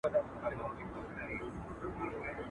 پاچهي به هيچا نه كړل په كلونو.